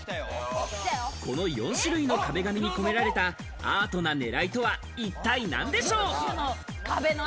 この４種類の壁紙に込められたアートな狙いとは一体何でしょう？